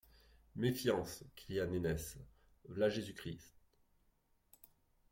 Méfiance! cria Nénesse, v’là Jésus-Christ !